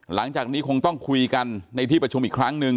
หลังจากนี้คงต้องคุยกันในที่ประชุมอีกครั้งหนึ่ง